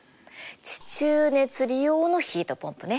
地中熱利用のヒートポンプね。